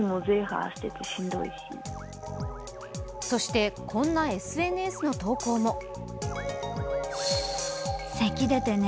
そして、こんなＳＮＳの投稿も。